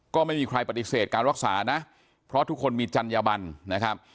ก็ไม่มีใครปฏิเสธการรักษานะเพราะทุกคนมีจัญญบันนะครับ